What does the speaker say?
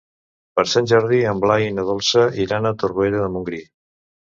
Per Sant Jordi en Blai i na Dolça iran a Torroella de Montgrí.